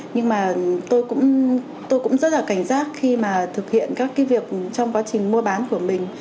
nhưng mà tôi cũng rất là cảnh giác khi mà thực hiện các cái việc trong quá trình mua bán của mình